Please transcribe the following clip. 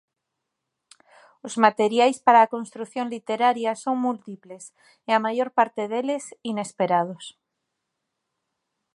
Os materiais para a construción literaria son múltiples e a maior parte deles inesperados.